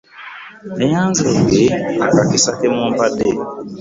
Nneeyazeege akakisa ke mumpadde.